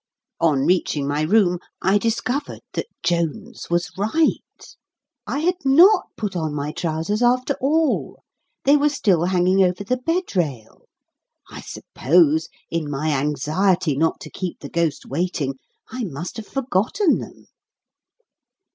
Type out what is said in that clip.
On reaching my room, I discovered that Jones was right. I had not put on my trousers, after all. They were still hanging over the bed rail. I suppose, in my anxiety not to keep the ghost waiting, I must have forgotten them.